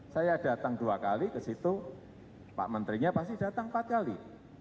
saya datang dua kali ke situ pak menterinya pasti datang empat kali